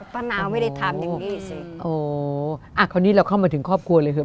มะนาวไม่ได้ทำอย่างงี้สิโอ้อ่ะคราวนี้เราเข้ามาถึงครอบครัวเลยคือ